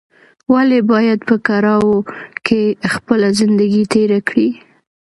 ولې باید په کړاوو کې خپله زندګي تېره کړې